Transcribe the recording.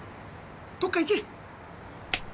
どっか行け！